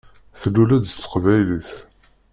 Tluleḍ-d s teqbaylit.